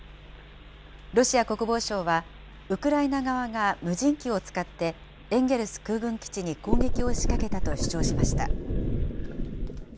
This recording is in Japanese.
ロシア国防省は、ウクライナ側が無人機を使って、エンゲルス空軍基地に攻撃を仕掛けたと主張しました。